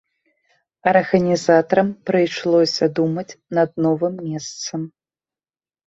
Арганізатарам прыйшлося думаць над новым месцам.